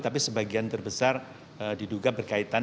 tapi sebagian terbesar diduga berkaitan